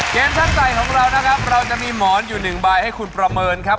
เกณฑ์ทั้งใจของเรานะครับเราจะมีหมอนอยู่๑บายให้คุณประเมินครับ